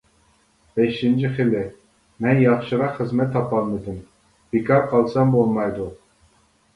بەشىنچى خىلى، مەن ياخشىراق خىزمەت تاپالمىدىم، بىكار قالسام بولمايدۇ.